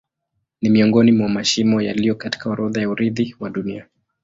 Ni miongoni mwa mashimo yaliyo katika orodha ya urithi wa Dunia.